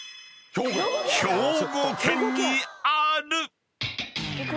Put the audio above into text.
［兵庫県にある］